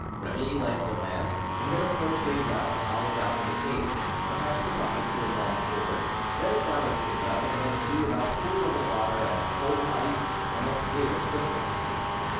Remy lighted a lamp, and then approached a well hollowed out in the cave, attached a bucket to a long cord, let it down into the well, and then drew it up full of a water as cold as ice and as clear as crystal.